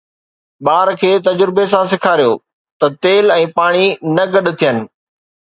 ٻار کي تجربي سان سيکاريو ته تيل ۽ پاڻي نه گڏ ٿين